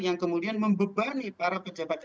yang kemudian membebani para pejabat